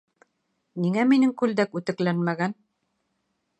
Ниңә минең күлдәк үтекләнмәгән?